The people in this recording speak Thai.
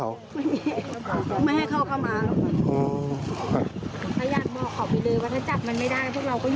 อาจจะลาย